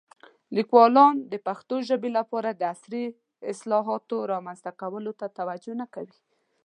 لیکوالان د پښتو ژبې لپاره د عصري اصطلاحاتو رامنځته کولو ته توجه نه کوي.